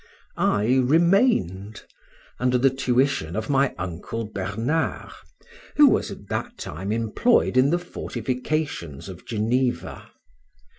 I remained under the tuition of my uncle Bernard, who was at that time employed in the fortifications of Geneva.